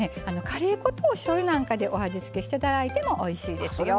カレー粉とおしょうゆなんかでお味付けしていただいてもおいしいですよ。